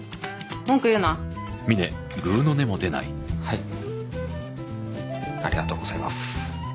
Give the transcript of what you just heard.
文句言うなはいありがとうございます